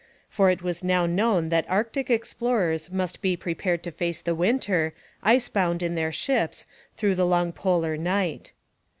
For it was now known that Arctic explorers must be prepared to face the winter, icebound in their ships through the long polar night.